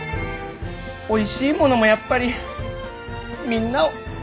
おいしいものもやっぱりみんなをピース！